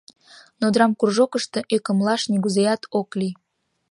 Но драмкружокышто ӧкымлаш нигузеат ок лий.